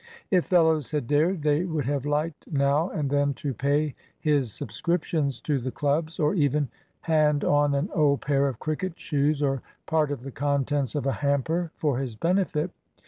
If fellows had dared, they would have liked now and then to pay his subscriptions to the clubs; or even hand on an old pair of cricket shoes or part of the contents of a hamper for his benefit.